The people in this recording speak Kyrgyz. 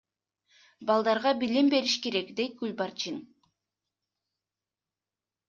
Балдарга билим бериш керек, — дейт Гүлбарчын.